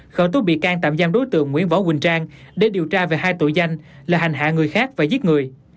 khởi tố bị can tạm giam đối tượng nguyễn võ quỳnh trang để điều tra về hai tội danh là hành hạ người khác và giết người